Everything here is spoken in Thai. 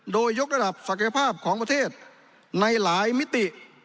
โดยยกระดับศักยภาพของประเทศในหลายมิติ